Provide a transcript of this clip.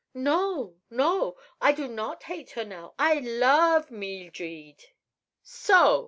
"No, no! I do not hate her now. I love Meeldred." "So!"